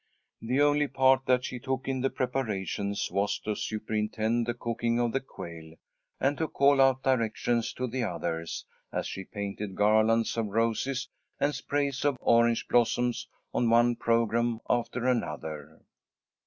The only part that she took in the preparations was to superintend the cooking of the quail, and to call out directions to the others, as she painted garlands of roses and sprays of orange blossoms on one programme after another.